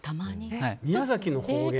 宮崎の方言。